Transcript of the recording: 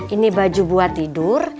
ini baju buat tidur